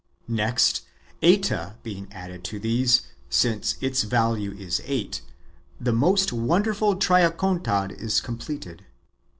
Next, Eta being added to these, since its value is eight, the most wonderful Triacontad is com pleted.